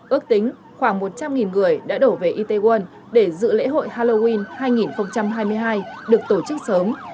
ước tính khoảng một trăm linh người đã đổ về itaewon để dự lễ hội halloween hai nghìn hai mươi hai được tổ chức sớm